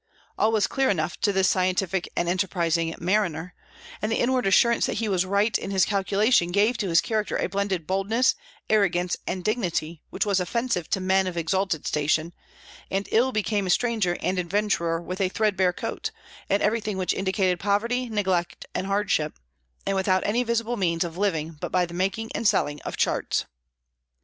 All was clear enough to this scientific and enterprising mariner; and the inward assurance that he was right in his calculation gave to his character a blended boldness, arrogance, and dignity which was offensive to men of exalted station, and ill became a stranger and adventurer with a thread bare coat, and everything which indicated poverty, neglect, and hardship, and without any visible means of living but by the making and selling of charts.